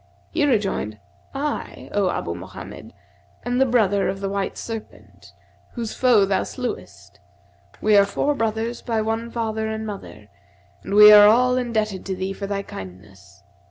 He rejoined, 'I, O Abu Mohammed, am the brother of the white serpent, whose foe thou slewest, we are four brothers by one father and mother, and we are all indebted to thee for thy kindness.